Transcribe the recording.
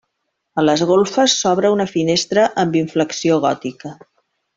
A les golfes s'obre una finestra amb inflexió gòtica.